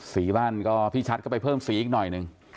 สีบ้านก็พี่ชัดก็ไปเพิ่มสีอีกหน่อยหนึ่ง